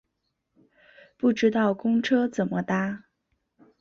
不知道公车怎么搭